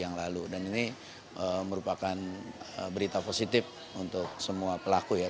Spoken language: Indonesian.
dan ini merupakan berita positif untuk semua pelaku ya